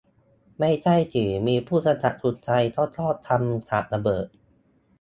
ไม่ใช่สิ มีผู้กำกับคนไทยก็ชอบทำฉากระเบิด